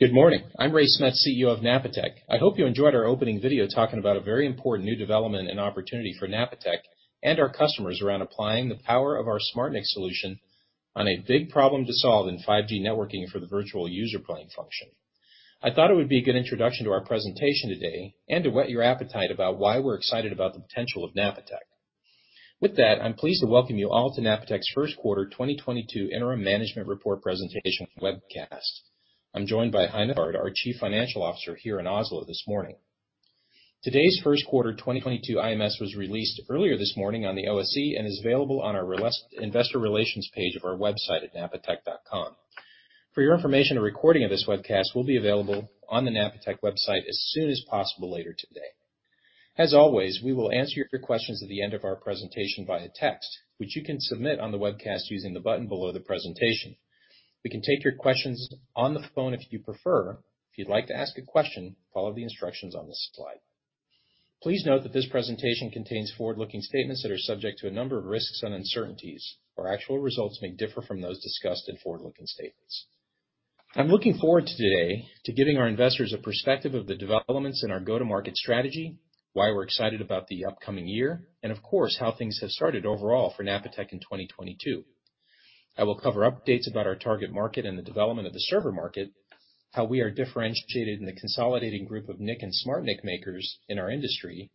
Good morning. I'm Raymond Smets, CEO of Napatech. I hope you enjoyed our opening video talking about a very important new development and opportunity for Napatech and our customers around applying the power of our SmartNIC solution on a big problem to solve in 5G networking for the virtual User Plane Function. I thought it would be a good introduction to our presentation today and to whet your appetite about why we're excited about the potential of Napatech. With that, I'm pleased to welcome you all to Napatech's Q1 2022 interim management report presentation webcast. I'm joined by Heine Thorsgaard, our Chief Financial Officer here in Oslo this morning. Today's Q1 2022 IMS was released earlier this morning on the OSE and is available on our investor relations page of our website at napatech.com. For your information, a recording of this webcast will be available on the Napatech website as soon as possible later today. As always, we will answer your questions at the end of our presentation via text, which you can submit on the webcast using the button below the presentation. We can take your questions on the phone if you prefer. If you'd like to ask a question, follow the instructions on this slide. Please note that this presentation contains forward-looking statements that are subject to a number of risks and uncertainties, where actual results may differ from those discussed in forward-looking statements. I'm looking forward today to giving our investors a perspective of the developments in our go-to-market strategy, why we're excited about the upcoming year, and of course, how things have started overall for Napatech in 2022. I will cover updates about our target market and the development of the server market, how we are differentiated in the consolidating group of NIC and SmartNIC makers in our industry,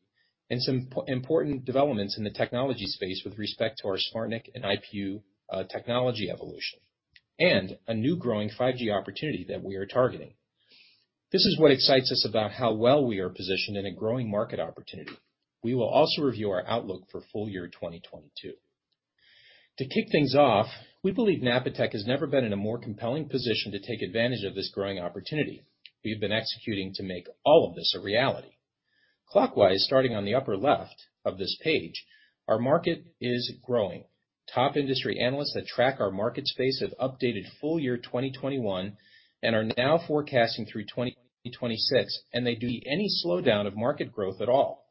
and some important developments in the technology space with respect to our SmartNIC and IPU technology evolution, and a new growing 5G opportunity that we are targeting. This is what excites us about how well we are positioned in a growing market opportunity. We will also review our outlook for full year 2022. To kick things off, we believe Napatech has never been in a more compelling position to take advantage of this growing opportunity. We've been executing to make all of this a reality. Clockwise, starting on the upper left of this page, our market is growing. Top industry analysts that track our market space have updated full year 2021 and are now forecasting through 2026, and they don't see any slowdown of market growth at all.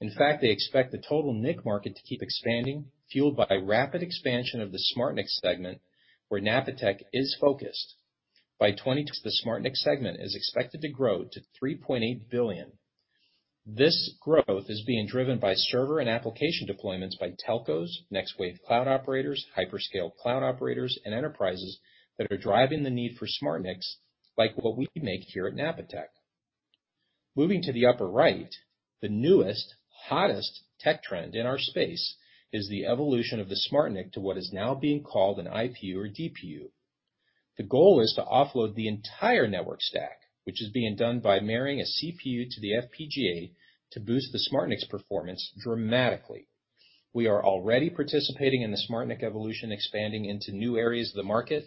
In fact, they expect the total NIC market to keep expanding, fueled by rapid expansion of the SmartNIC segment where Napatech is focused. By 2022, the SmartNIC segment is expected to grow to $3.8 billion. This growth is being driven by server and application deployments by telcos, next wave cloud operators, hyperscale cloud operators, and enterprises that are driving the need for SmartNICs like what we make here at Napatech. Moving to the upper right, the newest, hottest tech trend in our space is the evolution of the SmartNIC to what is now being called an IPU or DPU. The goal is to offload the entire network stack, which is being done by marrying a CPU to the FPGA to boost the SmartNIC's performance dramatically. We are already participating in the SmartNIC evolution, expanding into new areas of the market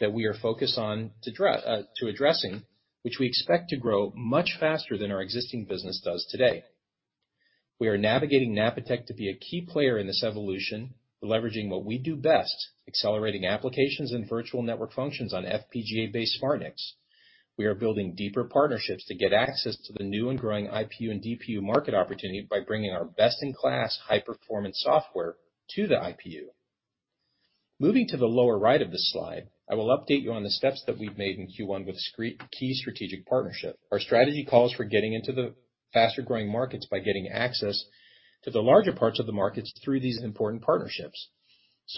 that we are focused on to addressing, which we expect to grow much faster than our existing business does today. We are navigating Napatech to be a key player in this evolution, leveraging what we do best, accelerating applications and virtual network functions on FPGA-based SmartNICs. We are building deeper partnerships to get access to the new and growing IPU and DPU market opportunity by bringing our best-in-class high-performance software to the IPU. Moving to the lower right of this slide, I will update you on the steps that we've made in Q1 with key strategic partnership. Our strategy calls for getting into the faster-growing markets by getting access to the larger parts of the markets through these important partnerships.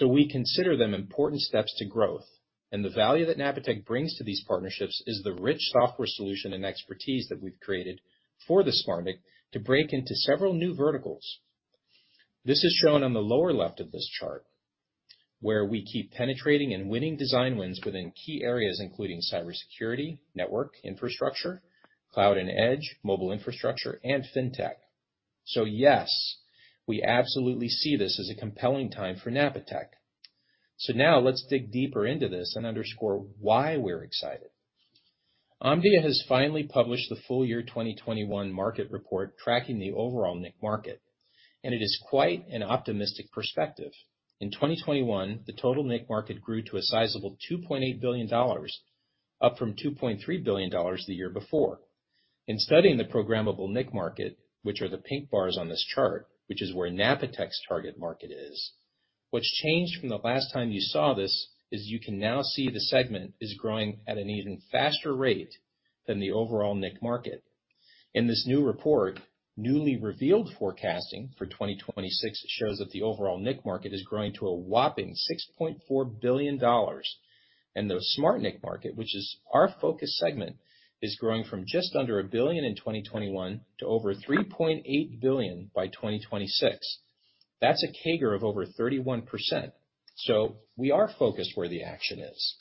We consider them important steps to growth. The value that Napatech brings to these partnerships is the rich software solution and expertise that we've created for the SmartNIC to break into several new verticals. This is shown on the lower left of this chart, where we keep penetrating and winning design wins within key areas, including cybersecurity, network infrastructure, cloud and edge, mobile infrastructure, and fintech. Yes, we absolutely see this as a compelling time for Napatech. Now let's dig deeper into this and underscore why we're excited. Omdia has finally published the full year 2021 market report tracking the overall NIC market, and it is quite an optimistic perspective. In 2021, the total NIC market grew to a sizable $2.8 billion, up from $2.3 billion the year before. In studying the programmable NIC market, which are the pink bars on this chart, which is where Napatech's target market is, what's changed from the last time you saw this is you can now see the segment is growing at an even faster rate than the overall NIC market. In this new report, newly revealed forecasting for 2026 shows that the overall NIC market is growing to a whopping $6.4 billion. The SmartNIC market, which is our focus segment, is growing from just under a billion in 2021 to over $3.8 billion by 2026. That's a CAGR of over 31%. We are focused where the action is.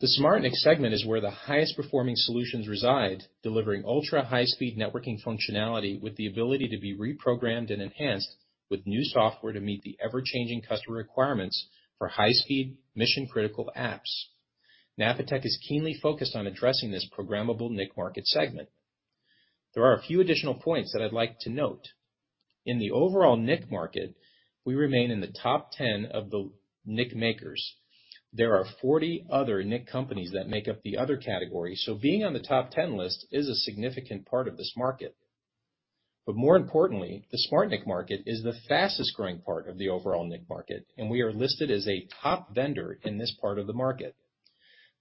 The SmartNIC segment is where the highest performing solutions reside, delivering ultra high-speed networking functionality with the ability to be reprogrammed and enhanced with new software to meet the ever-changing customer requirements for high-speed mission-critical apps. Napatech is keenly focused on addressing this programmable NIC market segment. There are a few additional points that I'd like to note. In the overall NIC market, we remain in the top 10 of the NIC makers. There are 40 other NIC companies that make up the other category, so being on the top 10 list is a significant part of this market. More importantly, the SmartNIC market is the fastest-growing part of the overall NIC market, and we are listed as a top vendor in this part of the market.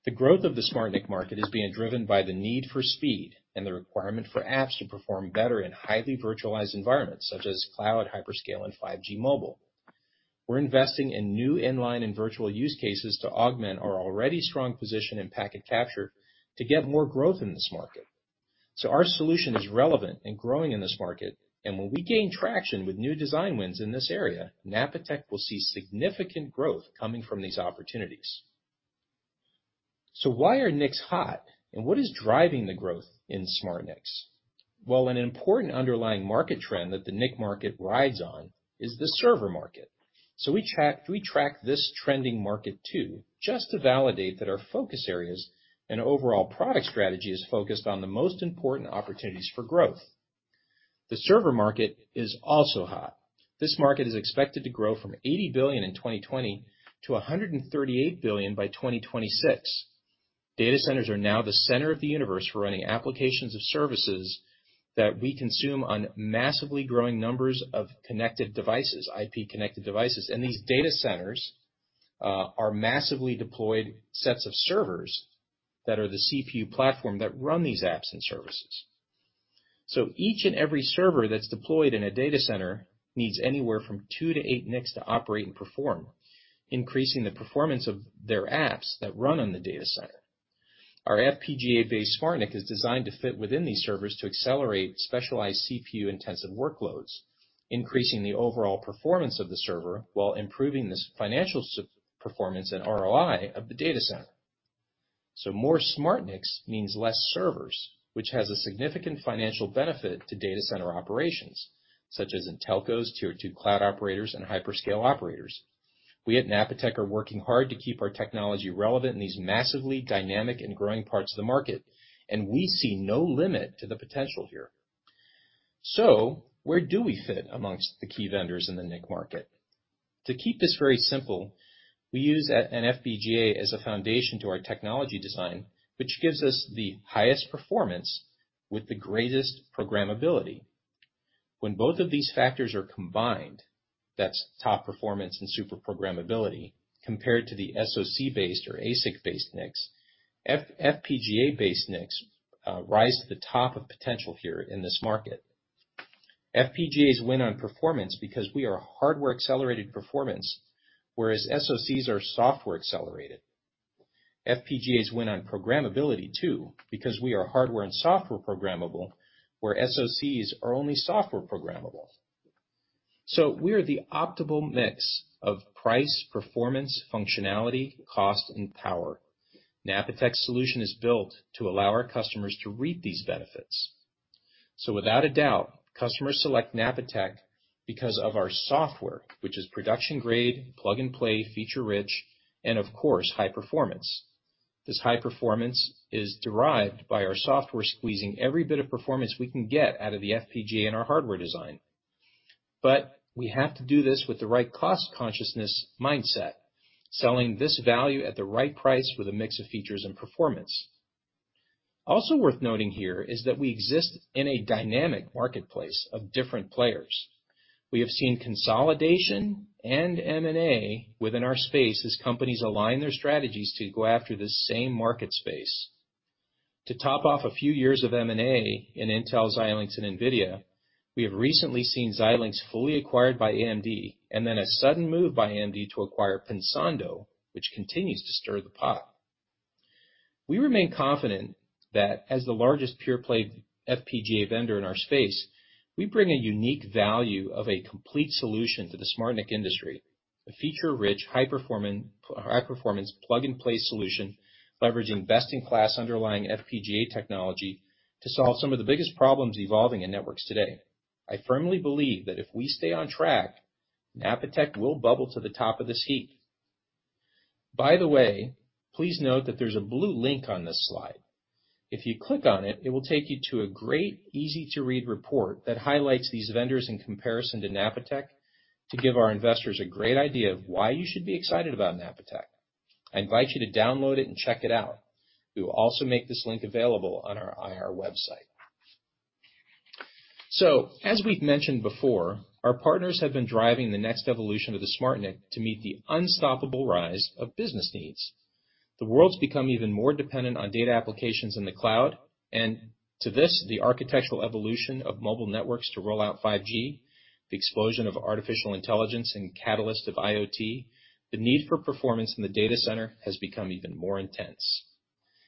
The growth of the SmartNIC market is being driven by the need for speed and the requirement for apps to perform better in highly virtualized environments, such as cloud, hyperscale, and 5G mobile. We're investing in new inline and virtual use cases to augment our already strong position in packet capture to get more growth in this market. Our solution is relevant and growing in this market. When we gain traction with new design wins in this area, Napatech will see significant growth coming from these opportunities. Why are NICs hot, and what is driving the growth in SmartNICs? Well, an important underlying market trend that the NIC market rides on is the server market. We track this trending market too, just to validate that our focus areas and overall product strategy is focused on the most important opportunities for growth. The server market is also hot. This market is expected to grow from 80 billion in 2020 to 138 billion by 2026. Data centers are now the center of the universe for running applications and services that we consume on massively growing numbers of connected devices, IP-connected devices. These data centers are massively deployed sets of servers that are the CPU platform that run these apps and services. Each and every server that's deployed in a data center needs anywhere from two to eight NICs to operate and perform, increasing the performance of their apps that run on the data center. Our FPGA-based SmartNIC is designed to fit within these servers to accelerate specialized CPU-intensive workloads, increasing the overall performance of the server while improving this financial performance and ROI of the data center. More SmartNICs means less servers, which has a significant financial benefit to data center operations, such as in telcos, tier two cloud operators, and hyperscale operators. We at Napatech are working hard to keep our technology relevant in these massively dynamic and growing parts of the market, and we see no limit to the potential here. Where do we fit amongst the key vendors in the NIC market? To keep this very simple, we use an FPGA as a foundation to our technology design, which gives us the highest performance with the greatest programmability. When both of these factors are combined, that's top performance and super programmability, compared to the SoC-based or ASIC-based NICs, FPGA-based NICs rise to the top of potential here in this market. FPGAs win on performance because we are a hardware-accelerated performance, whereas SoCs are software-accelerated. FPGAs win on programmability too, because we are hardware and software programmable, where SoCs are only software programmable. We are the optimal mix of price, performance, functionality, cost, and power. Napatech's solution is built to allow our customers to reap these benefits. Without a doubt, customers select Napatech because of our software, which is production-grade, plug-and-play, feature-rich, and of course, high performance. This high performance is derived by our software squeezing every bit of performance we can get out of the FPGA in our hardware design. We have to do this with the right cost consciousness mindset, selling this value at the right price with a mix of features and performance. Also worth noting here is that we exist in a dynamic marketplace of different players. We have seen consolidation and M&A within our space as companies align their strategies to go after this same market space. To top off a few years of M&A in Intel, Xilinx, and Nvidia, we have recently seen Xilinx fully acquired by AMD and then a sudden move by AMD to acquire Pensando, which continues to stir the pot. We remain confident that as the largest pure-play FPGA vendor in our space, we bring a unique value of a complete solution to the SmartNIC industry, a feature-rich, high performance, plug-and-play solution, leveraging best-in-class underlying FPGA technology to solve some of the biggest problems evolving in networks today. I firmly believe that if we stay on track, Napatech will bubble to the top of this heap. By the way, please note that there's a blue link on this slide. If you click on it will take you to a great, easy-to-read report that highlights these vendors in comparison to Napatech to give our investors a great idea of why you should be excited about Napatech. I invite you to download it and check it out. We will also make this link available on our IR website. As we've mentioned before, our partners have been driving the next evolution of the SmartNIC to meet the unstoppable rise of business needs. The world's become even more dependent on data applications in the cloud, and to this, the architectural evolution of mobile networks to roll out 5G, the explosion of artificial intelligence and catalyst of IoT, the need for performance in the data center has become even more intense.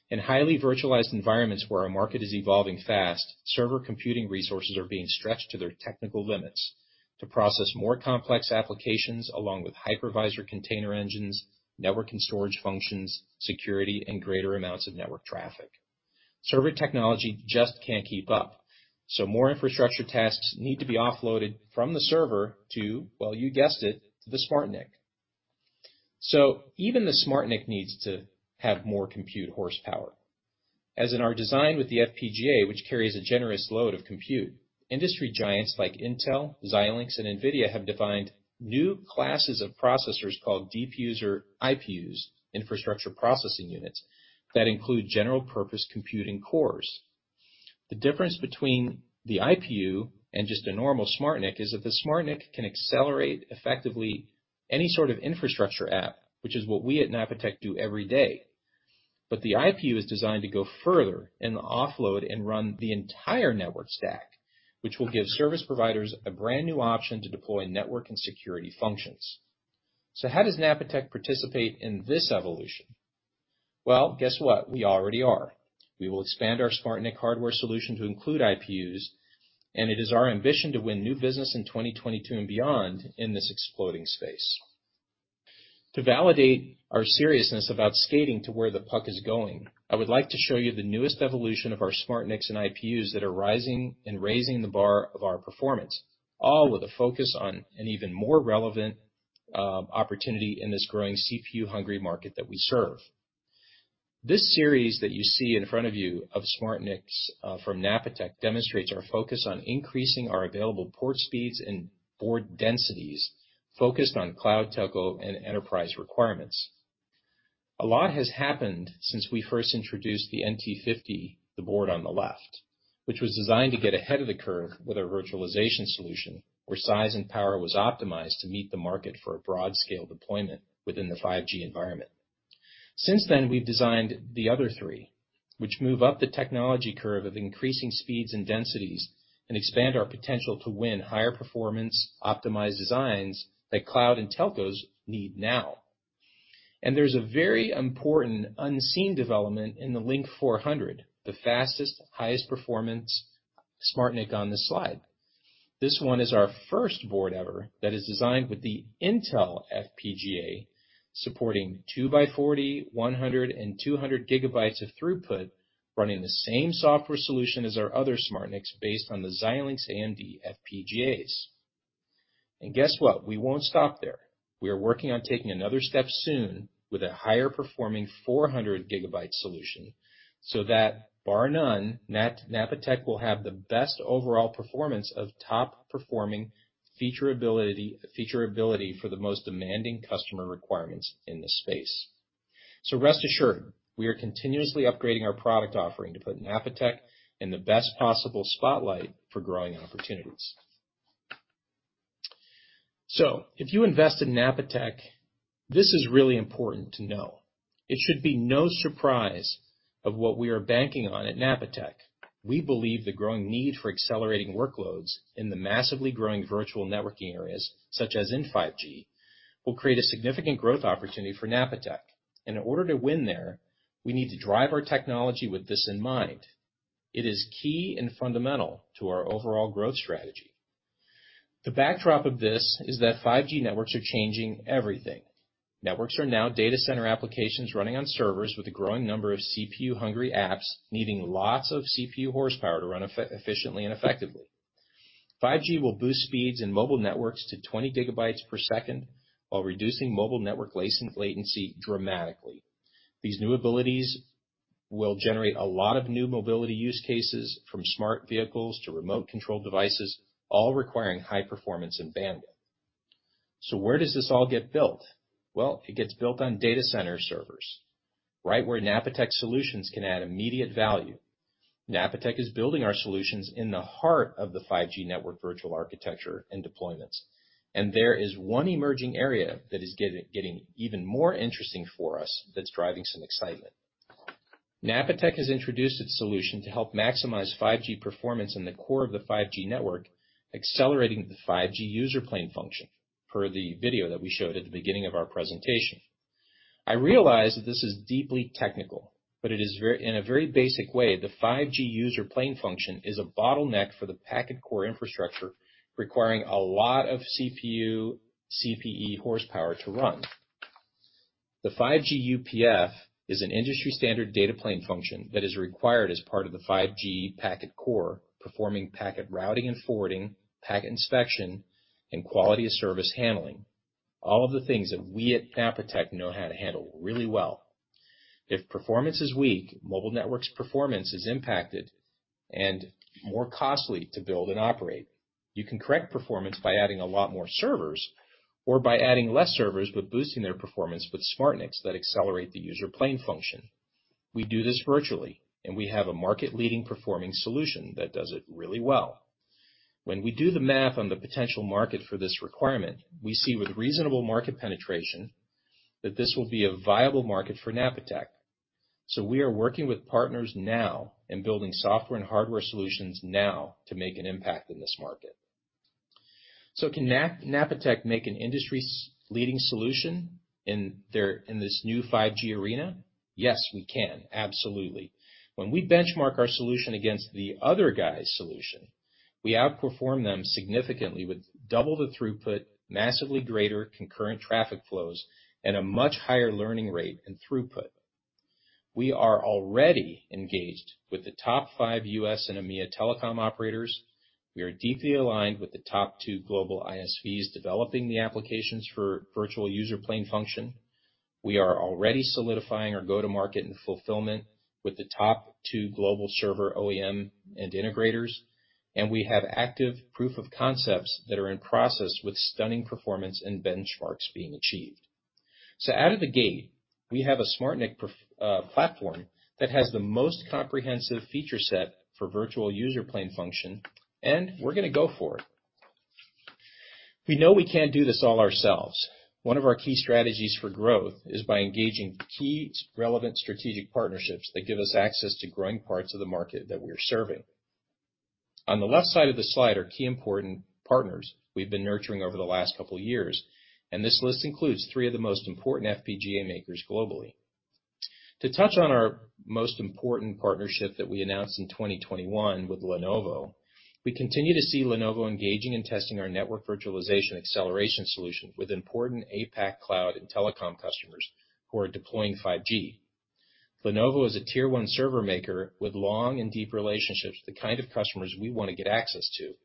In highly virtualized environments where our market is evolving fast, server computing resources are being stretched to their technical limits to process more complex applications, along with hypervisor container engines, network and storage functions, security, and greater amounts of network traffic. Server technology just can't keep up, so more infrastructure tasks need to be offloaded from the server to, well, you guessed it, to the SmartNIC. Even the SmartNIC needs to have more compute horsepower. As in our design with the FPGA, which carries a generous load of compute, industry giants like Intel, Xilinx, and Nvidia have defined new classes of processors called DPUs or IPUs, infrastructure processing units, that include general purpose computing cores. The difference between the IPU and just a normal SmartNIC is that the SmartNIC can accelerate effectively any sort of infrastructure app, which is what we at Napatech do every day. The IPU is designed to go further and offload and run the entire network stack, which will give service providers a brand new option to deploy network and security functions. How does Napatech participate in this evolution? Well, guess what? We already are. We will expand our SmartNIC hardware solution to include IPUs, and it is our ambition to win new business in 2022 and beyond in this exploding space. To validate our seriousness about skating to where the puck is going, I would like to show you the newest evolution of our SmartNICs and IPUs that are rising and raising the bar of our performance, all with a focus on an even more relevant opportunity in this growing CPU-hungry market that we serve. This series that you see in front of you of SmartNICs from Napatech demonstrates our focus on increasing our available port speeds and board densities focused on cloud telco and enterprise requirements. A lot has happened since we first introduced the NT50, the board on the left, which was designed to get ahead of the curve with our virtualization solution, where size and power was optimized to meet the market for a broad-scale deployment within the 5G environment. Since then, we've designed the other three, which move up the technology curve of increasing speeds and densities and expand our potential to win higher performance optimized designs that cloud and telcos need now. There's a very important unseen development in the Link 400, the fastest, highest performance SmartNIC on this slide. This one is our first board ever that is designed with the Intel FPGA supporting two by 40, 100 and 200 GB of throughput, running the same software solution as our other SmartNICs based on the Xilinx AMD FPGAs. Guess what? We won't stop there. We are working on taking another step soon with a higher performing 400 GB solution, so that bar none, Napatech will have the best overall performance of top-performing featureability for the most demanding customer requirements in this space. Rest assured, we are continuously upgrading our product offering to put Napatech in the best possible spotlight for growing opportunities. If you invest in Napatech, this is really important to know. It should be no surprise of what we are banking on at Napatech. We believe the growing need for accelerating workloads in the massively growing virtual networking areas, such as in 5G, will create a significant growth opportunity for Napatech. In order to win there, we need to drive our technology with this in mind. It is key and fundamental to our overall growth strategy. The backdrop of this is that 5G networks are changing everything. Networks are now data center applications running on servers with a growing number of CPU-hungry apps needing lots of CPU horsepower to run efficiently and effectively. 5G will boost speeds in mobile networks to 20 GB per second while reducing mobile network latency dramatically. These new abilities will generate a lot of new mobility use cases from smart vehicles to remote control devices, all requiring high performance and bandwidth. Where does this all get built? Well, it gets built on data center servers, right where Napatech solutions can add immediate value. Napatech is building our solutions in the heart of the 5G network virtual architecture and deployments. There is one emerging area that is getting even more interesting for us that's driving some excitement. Napatech has introduced its solution to help maximize 5G performance in the core of the 5G network, accelerating the 5G user plane function, per the video that we showed at the beginning of our presentation. I realize that this is deeply technical, but in a very basic way, the 5G user plane function is a bottleneck for the packet core infrastructure, requiring a lot of CPU, CPE horsepower to run. The 5G UPF is an industry standard data plane function that is required as part of the 5G packet core, performing packet routing and forwarding, packet inspection and quality of service handling. All of the things that we at Napatech know how to handle really well. If performance is weak, mobile networks performance is impacted and more costly to build and operate. You can correct performance by adding a lot more servers or by adding less servers, but boosting their performance with SmartNICs that accelerate the User Plane Function. We do this virtually, and we have a market leading performing solution that does it really well. When we do the math on the potential market for this requirement, we see with reasonable market penetration that this will be a viable market for Napatech. We are working with partners now and building software and hardware solutions now to make an impact in this market. Can Napatech make an industry-leading solution in this new 5G arena? Yes, we can, absolutely. When we benchmark our solution against the other guy's solution, we outperform them significantly with double the throughput, massively greater concurrent traffic flows, and a much higher learning rate and throughput. We are already engaged with the top five US and EMEA telecom operators. We are deeply aligned with the top two global ISVs developing the applications for virtual User Plane Function. We are already solidifying our go-to-market and fulfillment with the top two global server OEM and integrators, and we have active proof of concepts that are in process with stunning performance and benchmarks being achieved. Out of the gate, we have a SmartNIC pro platform that has the most comprehensive feature set for virtual User Plane Function, and we're gonna go for it. We know we can't do this all ourselves. One of our key strategies for growth is by engaging key relevant strategic partnerships that give us access to growing parts of the market that we are serving. On the left side of this slide are key important partners we've been nurturing over the last couple years, and this list includes three of the most important FPGA makers globally. To touch on our most important partnership that we announced in 2021 with Lenovo, we continue to see Lenovo engaging and testing our network virtualization acceleration solution with important APAC cloud and telecom customers who are deploying 5G. Lenovo is a Tier 1 server maker with long and deep relationships, the kind of customers we wanna get access to.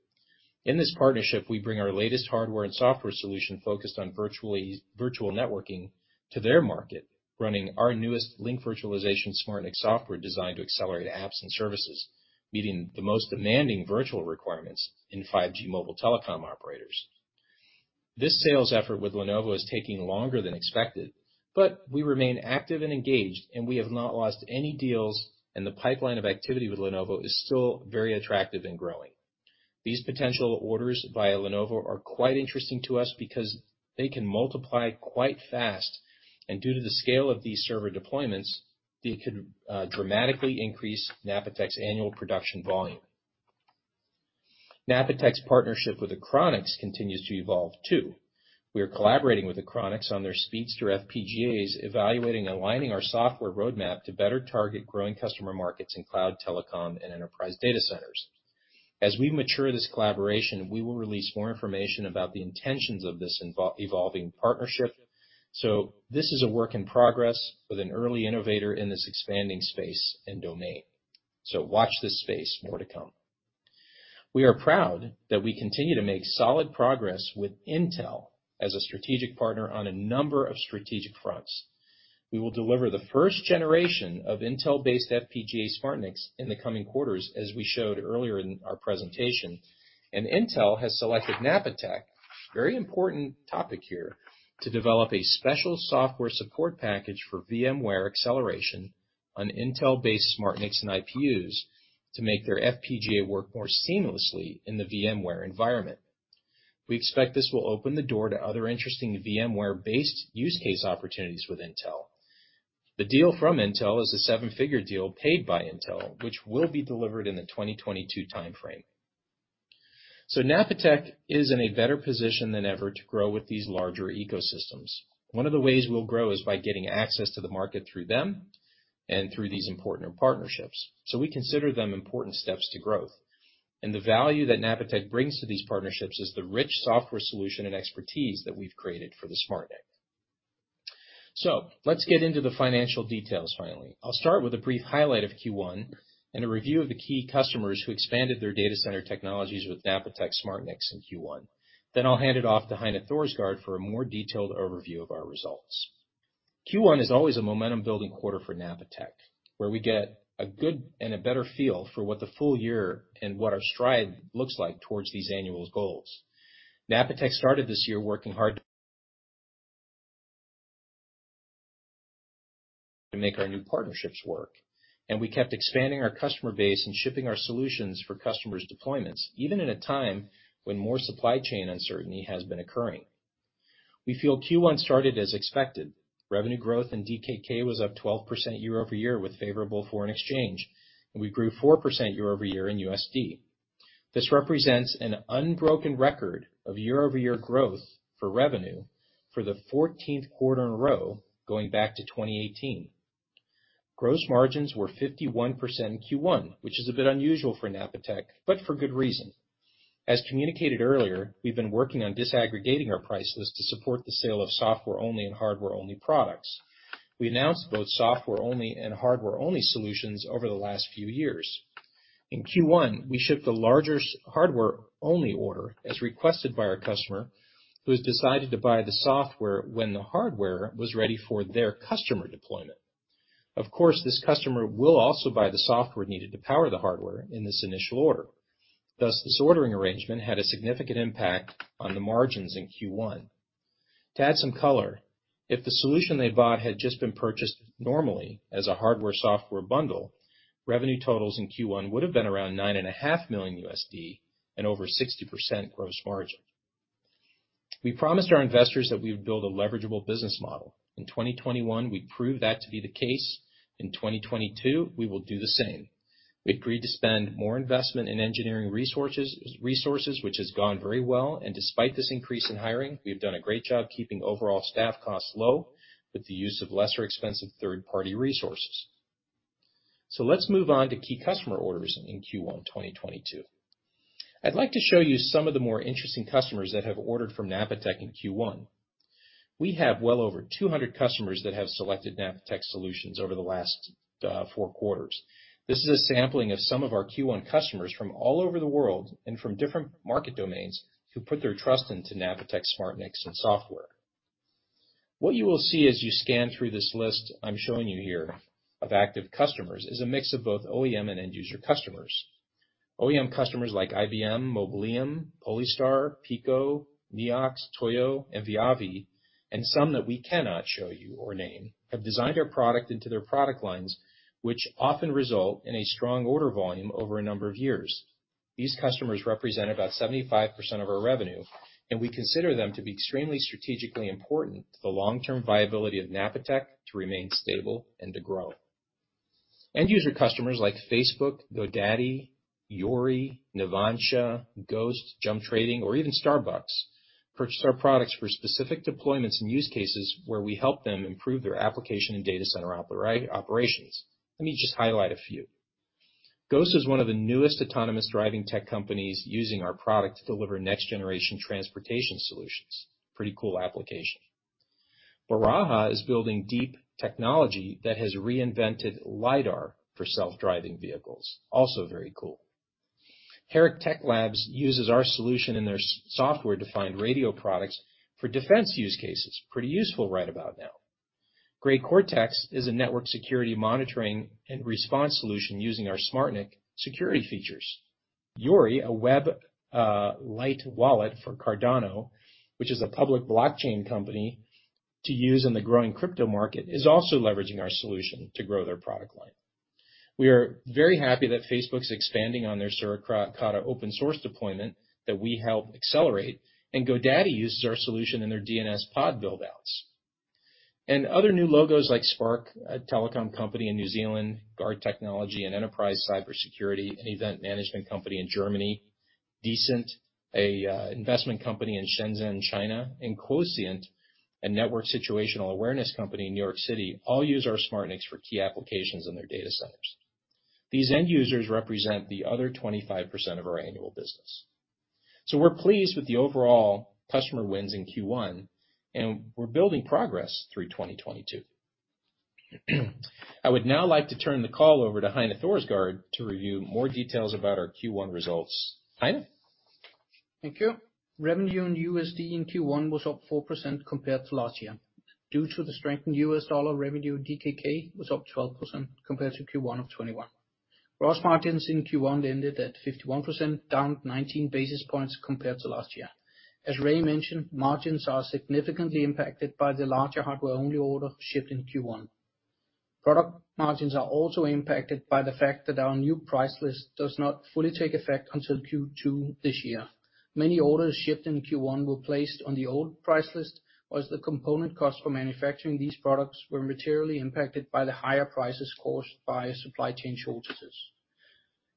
In this partnership, we bring our latest hardware and software solution focused on virtual networking to their market, running our newest link virtualization SmartNIC software designed to accelerate apps and services, meeting the most demanding virtual requirements in 5G mobile telecom operators. This sales effort with Lenovo is taking longer than expected, but we remain active and engaged, and we have not lost any deals, and the pipeline of activity with Lenovo is still very attractive and growing. These potential orders via Lenovo are quite interesting to us because they can multiply quite fast, and due to the scale of these server deployments, they could dramatically increase Napatech's annual production volume. Napatech's partnership with Achronix continues to evolve too. We are collaborating with Achronix on their Speedster FPGAs, evaluating aligning our software roadmap to better target growing customer markets in cloud telecom and enterprise data centers. As we mature this collaboration, we will release more information about the intentions of this evolving partnership. This is a work in progress with an early innovator in this expanding space and domain. Watch this space. More to come. We are proud that we continue to make solid progress with Intel as a strategic partner on a number of strategic fronts. We will deliver the first generation of Intel-based FPGA SmartNICs in the coming quarters, as we showed earlier in our presentation. Intel has selected Napatech, very important topic here, to develop a special software support package for VMware acceleration on Intel-based SmartNICs and IPUs to make their FPGA work more seamlessly in the VMware environment. We expect this will open the door to other interesting VMware-based use case opportunities with Intel. The deal from Intel is a seven figure deal paid by Intel, which will be delivered in the 2022 timeframe. Napatech is in a better position than ever to grow with these larger ecosystems. One of the ways we'll grow is by getting access to the market through them and through these important partnerships, so we consider them important steps to growth. The value that Napatech brings to these partnerships is the rich software solution and expertise that we've created for the SmartNIC. Let's get into the financial details finally. I'll start with a brief highlight of Q1 and a review of the key customers who expanded their data center technologies with Napatech SmartNICs in Q1. I'll hand it off to Heine Thorsgaard for a more detailed overview of our results. Q1 is always a momentum-building quarter for Napatech, where we get a good and a better feel for what the full year and what our stride looks like towards these annual goals. Napatech started this year working hard to make our new partnerships work, and we kept expanding our customer base and shipping our solutions for customers' deployments, even in a time when more supply chain uncertainty has been occurring. We feel Q1 started as expected. Revenue growth in DKK was up 12% year-over-year with favorable foreign exchange, and we grew 4% year-over-year in USD. This represents an unbroken record of year-over-year growth for revenue for the 14th quarter in a row, going back to 2018. Gross margins were 51% in Q1, which is a bit unusual for Napatech, but for good reason. As communicated earlier, we've been working on disaggregating our prices to support the sale of software-only and hardware-only products. We announced both software-only and hardware-only solutions over the last few years. In Q1, we shipped the largest hardware-only order as requested by our customer, who has decided to buy the software when the hardware was ready for their customer deployment. Of course, this customer will also buy the software needed to power the hardware in this initial order. Thus, this ordering arrangement had a significant impact on the margins in Q1. To add some color, if the solution they bought had just been purchased normally as a hardware-software bundle, revenue totals in Q1 would have been around $9.5 million and over 60% gross margin. We promised our investors that we would build a leverageable business model. In 2021, we proved that to be the case. In 2022, we will do the same. We agreed to spend more investment in engineering resources, which has gone very well, and despite this increase in hiring, we've done a great job keeping overall staff costs low with the use of less expensive third-party resources. Let's move on to key customer orders in Q1 2022. I'd like to show you some of the more interesting customers that have ordered from Napatech in Q1. We have well over 200 customers that have selected Napatech solutions over the last four quarters. This is a sampling of some of our Q1 customers from all over the world and from different market domains who put their trust into Napatech SmartNICs and software. What you will see as you scan through this list I'm showing you here of active customers is a mix of both OEM and end user customers. OEM customers like IBM, Mobileum, Polestar, Pico, NEOX, TOYO, and VIAVI, and some that we cannot show you or name, have designed our product into their product lines, which often result in a strong order volume over a number of years. These customers represent about 75% of our revenue, and we consider them to be extremely strategically important to the long-term viability of Napatech to remain stable and to grow. End user customers like Facebook, GoDaddy, Yoroi, Nivansha, Ghost, Jump Trading, or even Starbucks purchase our products for specific deployments and use cases where we help them improve their application and data center operations. Let me just highlight a few. Ghost is one of the newest autonomous driving tech companies using our product to deliver next-generation transportation solutions. Pretty cool application. Baraja is building deep technology that has reinvented LIDAR for self-driving vehicles. Also very cool. Herrick Tech Labs uses our solution in their software defined radio products for defense use cases. Pretty useful right about now. GREYCORTEX is a network security monitoring and response solution using our SmartNIC security features. Yoroi, a web lite wallet for Cardano, which is a public blockchain company to use in the growing crypto market, is also leveraging our solution to grow their product line. We are very happy that Facebook's expanding on their Suricata open source deployment that we helped accelerate, and GoDaddy uses our solution in their DNS pod build-outs. Other new logos like Spark New Zealand, a telecom company in New Zealand, Guard Technology, an enterprise cybersecurity and event management company in Germany, Decent Capital, a investment company in Shenzhen, China, and Cosient, a network situational awareness company in New York City, all use our SmartNICs for key applications in their data centers. These end users represent the other 25% of our annual business. We're pleased with the overall customer wins in Q1, and we're building progress through 2022. I would now like to turn the call over to Heine Thorsgaard to review more details about our Q1 results. Heine? Thank you. Revenue in USD in Q1 was up 4% compared to last year. Due to the strengthened U.S. dollar, revenue DKK was up 12% compared to Q1 of 2021. Gross margins in Q1 ended at 51%, down 19 basis points compared to last year. As Ray mentioned, margins are significantly impacted by the larger hardware-only order shipped in Q1. Product margins are also impacted by the fact that our new price list does not fully take effect until Q2 this year. Many orders shipped in Q1 were placed on the old price list, while the component cost for manufacturing these products were materially impacted by the higher prices caused by supply chain shortages.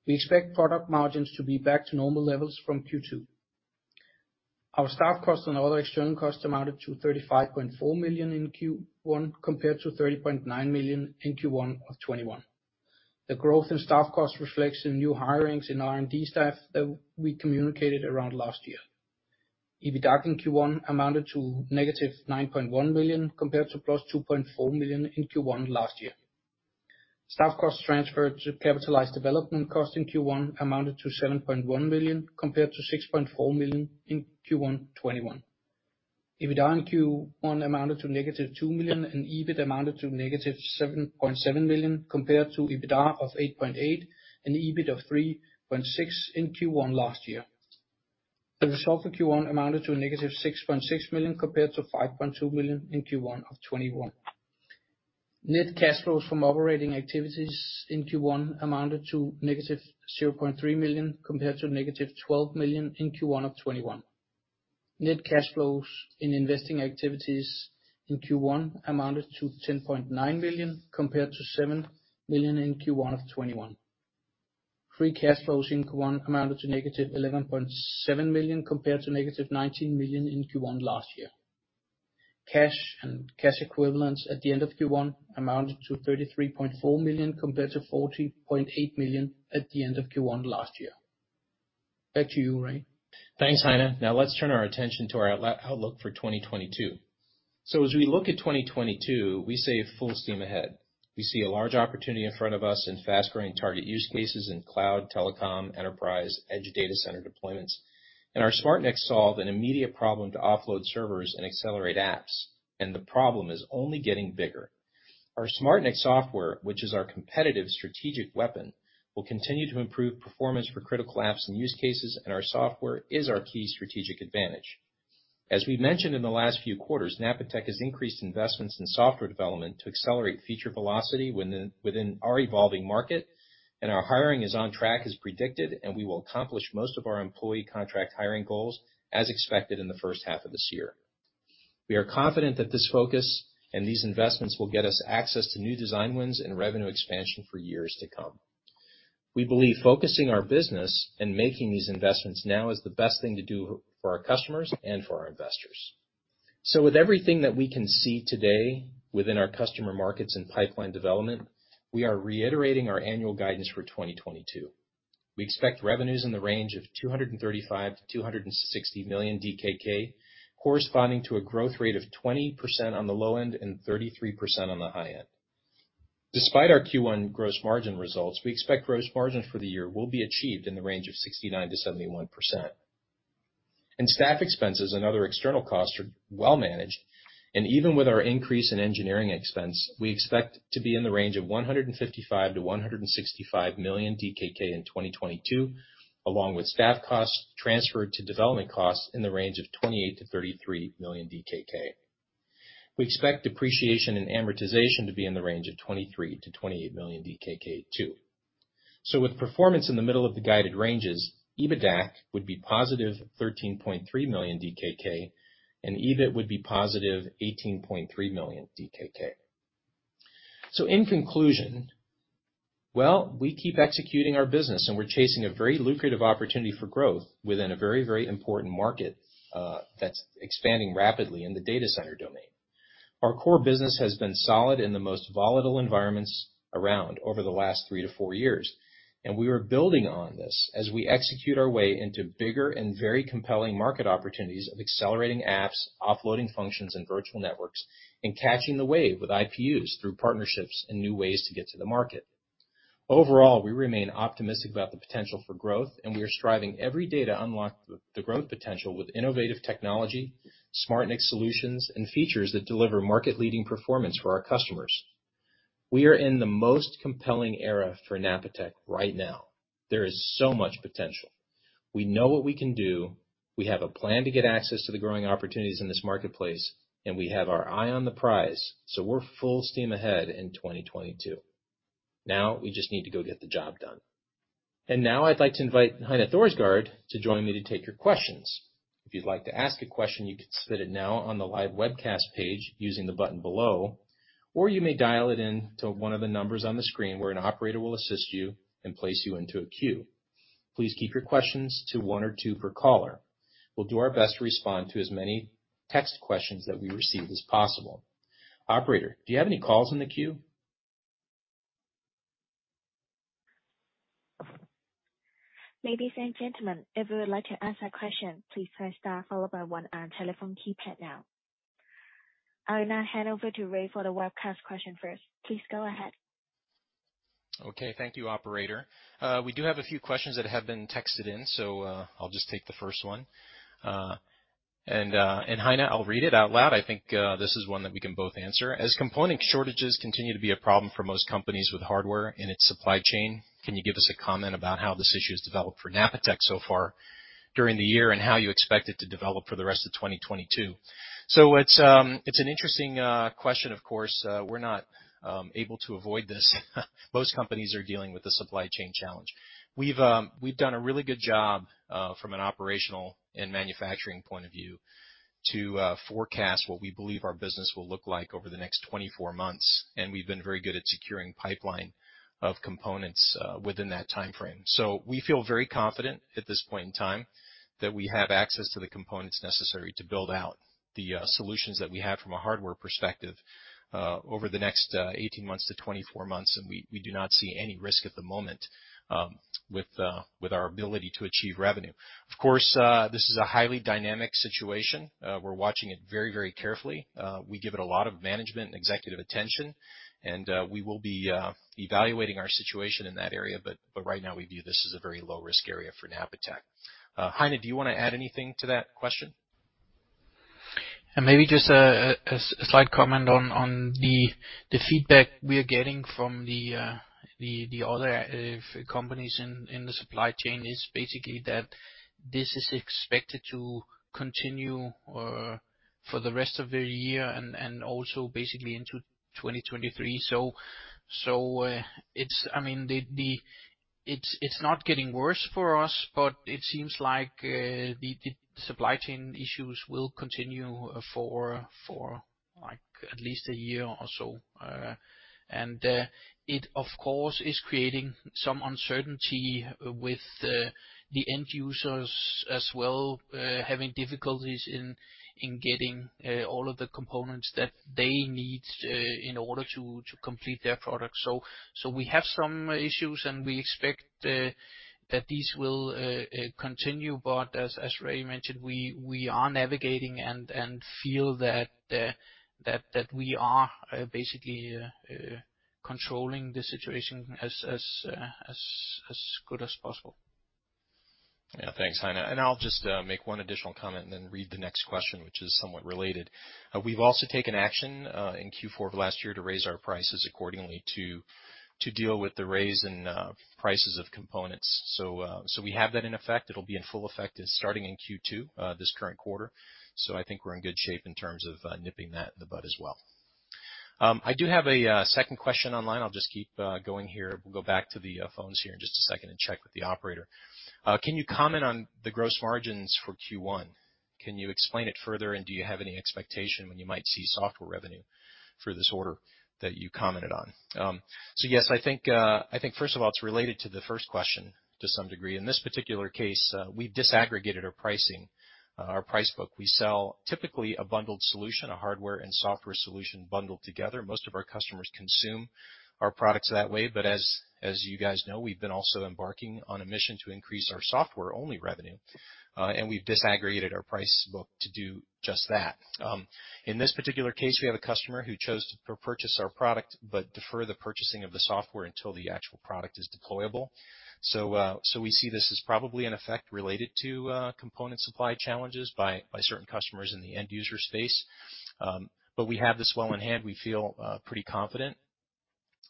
We expect product margins to be back to normal levels from Q2. Our staff costs and other external costs amounted to 35.4 million in Q1, compared to 30.9 million in Q1 of 2021. The growth in staff costs reflects the new hirings in R&D staff that we communicated around last year. EBITDA in Q1 amounted to -9.1 million, compared to +2.4 million in Q1 last year. Staff costs transferred to capitalized development costs in Q1 amounted to 7.1 million, compared to 6.4 million in Q1 2021. EBITDA in Q1 amounted to -2 million, and EBIT amounted to -7.7 million, compared to EBITDA of 8.8 million and EBIT of 3.6 million in Q1 last year. The result for Q1 amounted to -6.6 million, compared to 5.2 million in Q1 of 2021. Net cash flows from operating activities in Q1 amounted to -0.3 million, compared to -12 million in Q1 of 2021. Net cash flows in investing activities in Q1 amounted to 10.9 million, compared to 7 million in Q1 of 2021. Free cash flows in Q1 amounted to -11.7 million, compared to -19 million in Q1 last year. Cash and cash equivalents at the end of Q1 amounted to 33.4 million, compared to 40.8 million at the end of Q1 last year. Back to you, Ray. Thanks, Heine. Now let's turn our attention to our outlook for 2022. As we look at 2022, we say full steam ahead. We see a large opportunity in front of us in fast-growing target use cases in cloud, telecom, enterprise, edge data center deployments. Our SmartNICs solve an immediate problem to offload servers and accelerate apps, and the problem is only getting bigger. Our SmartNIC software, which is our competitive strategic weapon, will continue to improve performance for critical apps and use cases, and our software is our key strategic advantage. As we mentioned in the last few quarters, Napatech has increased investments in software development to accelerate feature velocity within our evolving market, and our hiring is on track as predicted, and we will accomplish most of our employee contract hiring goals as expected in the first half of this year. We are confident that this focus and these investments will get us access to new design wins and revenue expansion for years to come. We believe focusing our business and making these investments now is the best thing to do for our customers and for our investors. With everything that we can see today within our customer markets and pipeline development, we are reiterating our annual guidance for 2022. We expect revenues in the range of 235 million-260 million DKK, corresponding to a growth rate of 20% on the low end and 33% on the high end. Despite our Q1 gross margin results, we expect gross margins for the year will be achieved in the range of 69%-71%. Staff expenses and other external costs are well managed. Even with our increase in engineering expense, we expect to be in the range of 155 million-165 million DKK in 2022, along with staff costs transferred to development costs in the range of 28 million-33 million DKK. We expect depreciation and amortization to be in the range of 23 million-28 million DKK too. With performance in the middle of the guided ranges, EBITDAK would be +13.3 million DKK and EBIT would be +18.3 million DKK. In conclusion, we keep executing our business, and we're chasing a very lucrative opportunity for growth within a very, very important market that's expanding rapidly in the data center domain. Our core business has been solid in the most volatile environments around over the last three to four years, and we are building on this as we execute our way into bigger and very compelling market opportunities of accelerating apps, offloading functions and virtual networks, and catching the wave with IPUs through partnerships and new ways to get to the market. Overall, we remain optimistic about the potential for growth, and we are striving every day to unlock the growth potential with innovative technology, SmartNIC solutions, and features that deliver market-leading performance for our customers. We are in the most compelling era for Napatech right now. There is so much potential. We know what we can do, we have a plan to get access to the growing opportunities in this marketplace, and we have our eye on the prize, so we're full steam ahead in 2022. Now we just need to go get the job done. Now I'd like to invite Heine Thorsgaard to join me to take your questions. If you'd like to ask a question, you can submit it now on the live webcast page using the button below, or you may dial it in to one of the numbers on the screen, where an operator will assist you and place you into a queue. Please keep your questions to one or two per caller. We'll do our best to respond to as many text questions that we receive as possible. Operator, do you have any calls in the queue? Ladies and gentlemen, if you would like to ask a question, please press star followed by one on telephone keypad now. I will now hand over to Ray for the webcast question first. Please go ahead. Okay. Thank you, operator. We do have a few questions that have been texted in, so I'll just take the first one. And Heine, I'll read it out loud. I think this is one that we can both answer. As component shortages continue to be a problem for most companies with hardware and its supply chain, can you give us a comment about how this issue has developed for Napatech so far during the year, and how you expect it to develop for the rest of 2022? It's an interesting question, of course. We're not able to avoid this. Most companies are dealing with the supply chain challenge. We've done a really good job from an operational and manufacturing point of view to forecast what we believe our business will look like over the next 24 months, and we've been very good at securing pipeline of components within that timeframe. We feel very confident at this point in time that we have access to the components necessary to build out the solutions that we have from a hardware perspective over the next 18 months to 24 months, and we do not see any risk at the moment with our ability to achieve revenue. Of course, this is a highly dynamic situation. We're watching it very, very carefully. We give it a lot of management and executive attention, and we will be evaluating our situation in that area. Right now, we view this as a very low-risk area for Napatech. Heine, do you wanna add anything to that question? Maybe just a slight comment on the feedback we are getting from the other companies in the supply chain is basically that this is expected to continue for the rest of the year and also basically into 2023. It's not getting worse for us, but it seems like the supply chain issues will continue for like at least a year or so. It of course is creating some uncertainty with the end users as well having difficulties in getting all of the components that they need in order to complete their products. We have some issues, and we expect that these will continue. As Ray mentioned, we are navigating and feel that we are basically controlling the situation as good as possible. Yeah. Thanks, Heine. I'll just make one additional comment and then read the next question, which is somewhat related. We've also taken action in Q4 of last year to raise our prices accordingly to deal with the rise in prices of components. We have that in effect. It'll be in full effect starting in Q2 this current quarter. I think we're in good shape in terms of nipping that in the bud as well. I do have a second question online. I'll just keep going here. We'll go back to the phones here in just a second and check with the operator. Can you comment on the gross margins for Q1? Can you explain it further, and do you have any expectation when you might see software revenue for this order that you commented on? Yes, I think first of all, it's related to the first question to some degree. In this particular case, we've disaggregated our pricing, our price book. We sell typically a bundled solution, a hardware and software solution bundled together. Most of our customers consume our products that way. As you guys know, we've been also embarking on a mission to increase our software-only revenue, and we've disaggregated our price book to do just that. In this particular case, we have a customer who chose to purchase our product but defer the purchasing of the software until the actual product is deployable. We see this as probably an effect related to component supply challenges by certain customers in the end user space. We have this well in hand. We feel pretty confident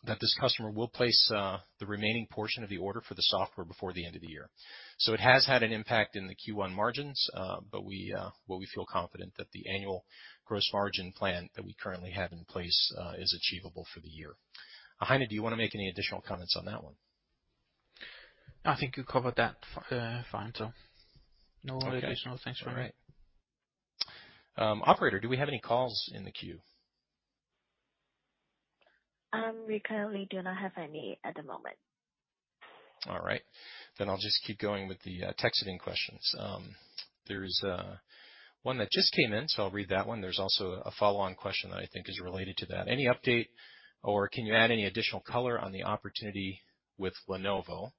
that this customer will place the remaining portion of the order for the software before the end of the year. It has had an impact in the Q1 margins, but we feel confident that the annual gross margin plan that we currently have in place is achievable for the year. Heine, do you wanna make any additional comments on that one? I think you covered that fine, Ray. No additional things from me. All right. Operator, do we have any calls in the queue? We currently do not have any at the moment. All right. I'll just keep going with the texted-in questions. There's one that just came in, so I'll read that one. There's also a follow-on question that I think is related to that. Any update or can you add any additional color on the opportunity with Lenovo?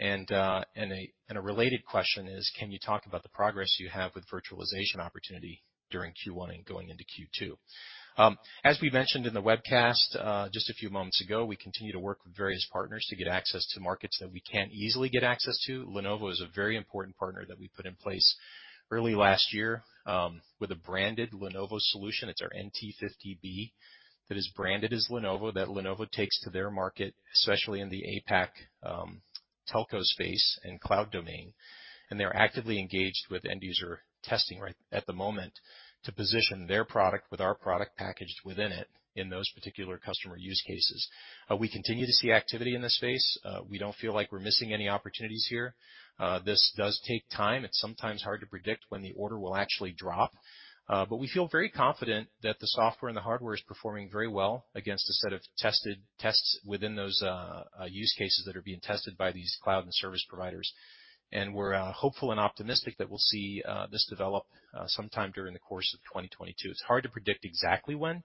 A related question is, can you talk about the progress you have with virtualization opportunity during Q1 and going into Q2? As we mentioned in the webcast, just a few moments ago, we continue to work with various partners to get access to markets that we can't easily get access to. Lenovo is a very important partner that we put in place early last year, with a branded Lenovo solution. It's our NT50B that is branded as Lenovo, that Lenovo takes to their market, especially in the APAC, telco space and cloud domain. They're actively engaged with end user testing right at the moment to position their product with our product packaged within it in those particular customer use cases. We continue to see activity in this space. We don't feel like we're missing any opportunities here. This does take time. It's sometimes hard to predict when the order will actually drop. We feel very confident that the software and the hardware is performing very well against a set of tested tests within those use cases that are being tested by these cloud and service providers. We're hopeful and optimistic that we'll see this develop sometime during the course of 2022. It's hard to predict exactly when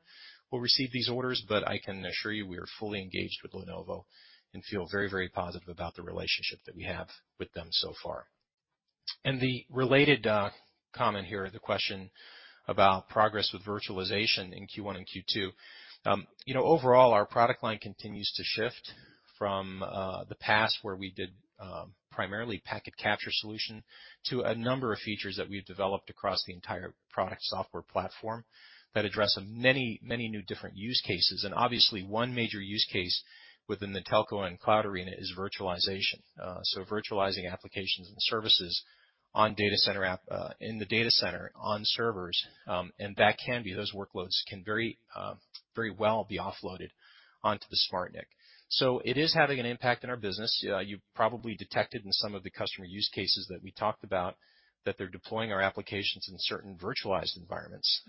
we'll receive these orders, but I can assure you we are fully engaged with Lenovo and feel very, very positive about the relationship that we have with them so far. The related comment here, the question about progress with virtualization in Q1 and Q2. You know, overall, our product line continues to shift from the past where we did primarily packet capture solution to a number of features that we've developed across the entire product software platform that address many, many new different use cases. Obviously one major use case within the telco and cloud arena is virtualization. So virtualizing applications and services in the data center on servers, and those workloads can very well be offloaded onto the SmartNIC. It is having an impact in our business. You probably detected in some of the customer use cases that we talked about that they're deploying our applications in certain virtualized environments.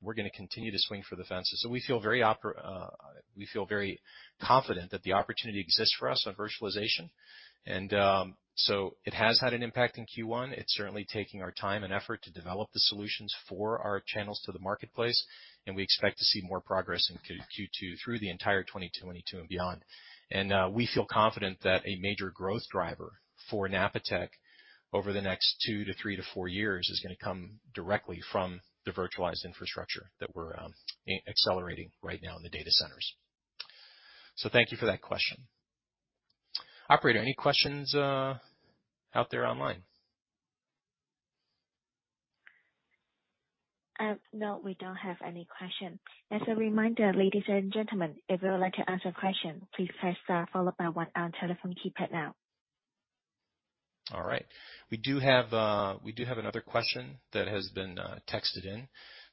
We're gonna continue to swing for the fences. We feel very confident that the opportunity exists for us on virtualization. It has had an impact in Q1. It's certainly taking our time and effort to develop the solutions for our channels to the marketplace, and we expect to see more progress in Q2 through the entire 2022 and beyond. We feel confident that a major growth driver for Napatech over the next two to three to four years is gonna come directly from the virtualized infrastructure that we're accelerating right now in the data centers. Thank you for that question. Operator, any questions out there online? No, we don't have any questions. As a reminder, ladies and gentlemen, if you would like to ask a question, please press star followed by one on telephone keypad now. All right. We do have another question that has been texted in.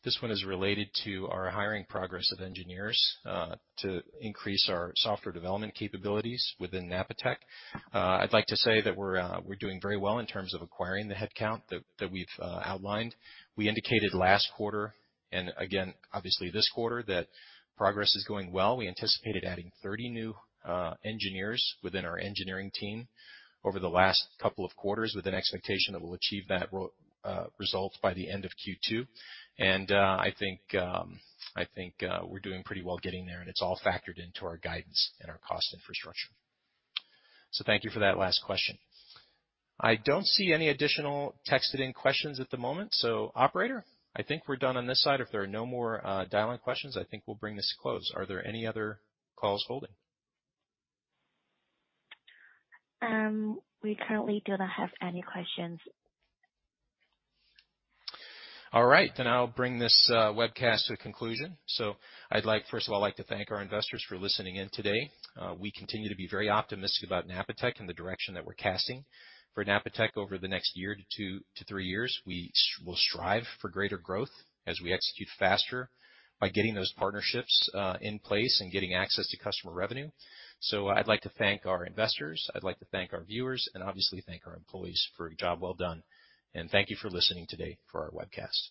This one is related to our hiring progress of engineers to increase our software development capabilities within Napatech. I'd like to say that we're doing very well in terms of acquiring the headcount that we've outlined. We indicated last quarter, and again, obviously this quarter, that progress is going well. We anticipated adding 30 new engineers within our engineering team over the last couple of quarters with an expectation that we'll achieve that result by the end of Q2. I think we're doing pretty well getting there, and it's all factored into our guidance and our cost infrastructure. Thank you for that last question. I don't see any additional texted-in questions at the moment. Operator, I think we're done on this side. If there are no more dial-in questions, I think we'll bring this to close. Are there any other calls holding? We currently do not have any questions. All right, I'll bring this webcast to a conclusion. I'd like first of all to thank our investors for listening in today. We continue to be very optimistic about Napatech and the direction that we're charting for Napatech over the next year to two to three years. We'll strive for greater growth as we execute faster by getting those partnerships in place and getting access to customer revenue. I'd like to thank our investors. I'd like to thank our viewers, and obviously thank our employees for a job well done. Thank you for listening today for our webcast.